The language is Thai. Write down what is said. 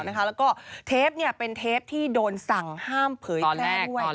แล้วก็เทปเป็นเทปที่โดนสั่งห้ามเผยแพร่ด้วย